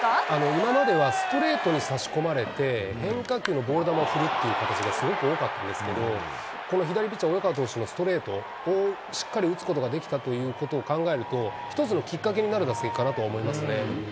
今まではストレートを差し込まれて、変化球のボール球を振るっていう形がすごく多かったんですけど、この左ピッチャー、及川投手のストレートをしっかり打つことができたということを考えると、１つのきっかけになる打席かなとは思いますね。